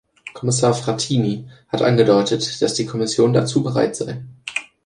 Kommissar Frattini hat angedeutet, dass die Kommission dazu bereit sei.